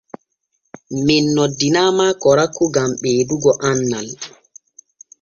Men noddinaama korakou gan ɓeedugo annal.